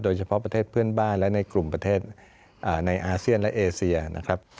โดยเฉพาะประเทศเพื่อนบ้านและในกลุ่มประเทศในอาเซียนและเอเซียนะครับ